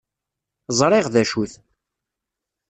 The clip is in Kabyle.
Ẓṛiɣ d acu-t.